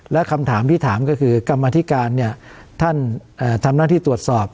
และคำถามที่ถามก็คือกรรมธิการเนี่ยท่านทำหน้าที่ตรวจสอบ